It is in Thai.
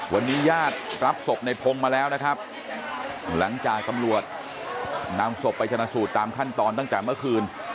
วันนี้ญาติรับศพในพงศ์มาแล้วนะครับหลังจากตำรวจนำศพไปชนะสูตรตามขั้นตอนตั้งแต่เมื่อคืน